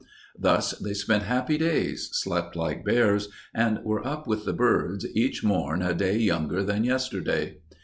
Thus they spent happy days, slept like bears, and were up with the birds, each morn a day younger than yesterday.